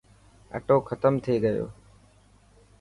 اثو ختم ٿي گيو.